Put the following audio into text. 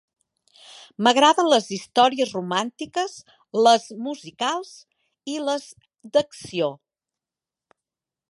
M'agraden les històries romàntiques, les musicals i les d'acció.